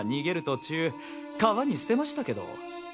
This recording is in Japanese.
途中川に捨てましたけど。